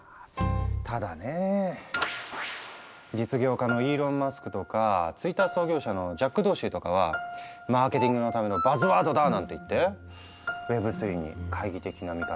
ただね実業家のイーロン・マスクとかツイッター創業者のジャック・ドーシーとかは「マーケティングのためのバズワードだ」なんて言っていてＷｅｂ３に懐疑的な見方を示してもいる。